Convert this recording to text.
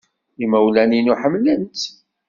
Imawlan-inu ḥemmlen-tt.